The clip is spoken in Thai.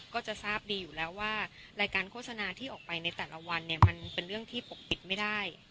ก็จะทราบดีอยู่แล้วว่ารายการโฆษณาที่ออกไปในแต่ละวันเนี่ยมันเป็นเรื่องที่ปกปิดไม่ได้